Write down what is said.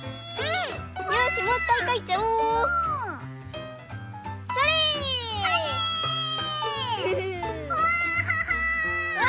うわ！